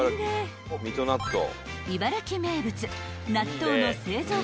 ［茨城名物］